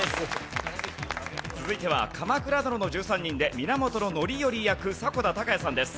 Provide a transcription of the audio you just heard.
続いては『鎌倉殿の１３人』で源範頼役迫田孝也さんです。